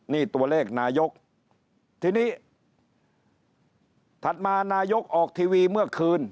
จากนายกรัฐมนตรีทีนี้ถัดมานายกรัฐมนตรีออกทีวีเมื่อคืน